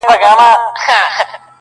نه یې څه پیوند دی له بورا سره -